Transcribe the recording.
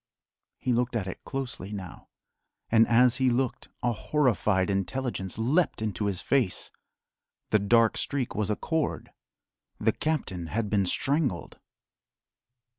He looked at it closely now, and as he looked a horrified intelligence leapt into his face. The dark streak was a cord: the captain had been strangled!